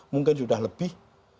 mungkin sudah lebih